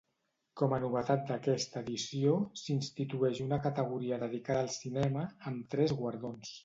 Com a novetat d'aquesta edició s'institueix una categoria dedicada al cinema, amb tres guardons.